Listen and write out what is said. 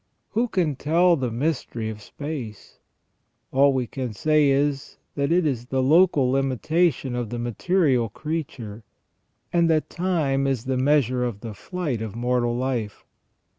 Who can tell the mystery of space ? All we can say is, that it is the local limitation of the material creature, and that time is the measure of the flight of mortal life.